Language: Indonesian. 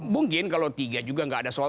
mungkin kalau tiga juga nggak ada soal